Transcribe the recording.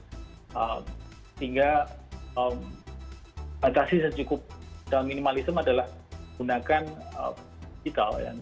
sehingga batasi secukup digital minimalism adalah gunakan digital